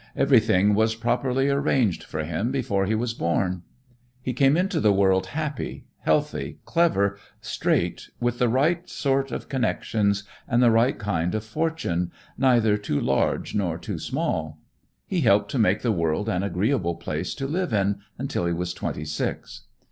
Everything was properly arranged for him before he was born. He came into the world happy, healthy, clever, straight, with the right sort of connections and the right kind of fortune, neither too large nor too small. He helped to make the world an agreeable place to live in until he was twenty six.